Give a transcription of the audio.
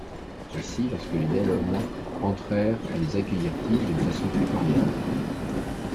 Aussi, lorsque les Delhomme entrèrent, les accueillirent-ils d’une façon très cordiale.